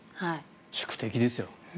宿敵ですよ。